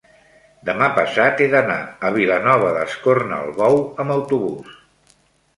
demà passat he d'anar a Vilanova d'Escornalbou amb autobús.